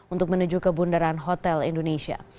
untuk menuju ke bundaran hotel indonesia